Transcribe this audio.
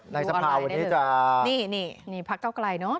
ในสภาวันนี้จะนี่พักเจ้ากลายเนอะ